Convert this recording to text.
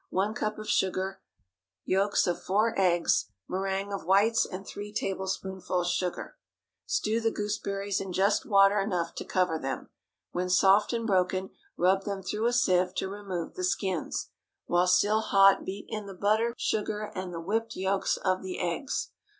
1 cup of sugar. Yolks of four eggs. Méringue of whites, and 3 tablespoonfuls sugar. Stew the gooseberries in just water enough to cover them. When soft and broken, rub them through a sieve to remove the skins. While still hot beat in the butter, sugar, and the whipped yolks of the eggs.